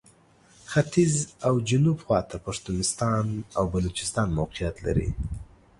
ختیځ او جنوب خواته پښتونستان او بلوچستان موقعیت لري.